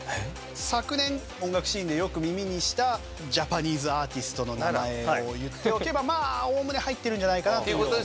昨年音楽シーンでよく耳にしたジャパニーズアーティストの名前を言っておけばまあおおむね入ってるんじゃないかなと。